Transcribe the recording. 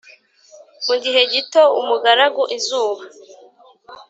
mugihe gito umugaragu izuba,